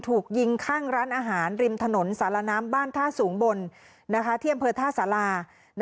ถูกยิงข้างร้านอาหารริมถนนสารน้ำบ้านท่าสูงบนที่อำเภอท่าสารา